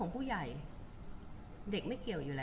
คุณผู้ถามเป็นความขอบคุณค่ะ